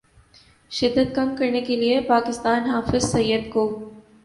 شدت کم کرنے کے لیے پاکستان حافظ سعید کو